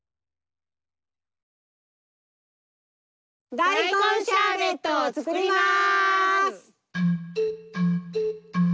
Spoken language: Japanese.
大根シャーベットを作ります。